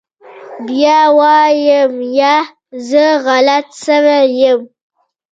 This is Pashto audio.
بيا وايم يه زه غلط سوى يم.